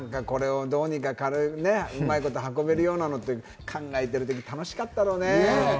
これをどうにかうまいこと運べるようにって考えてる時、楽しかっただろうね。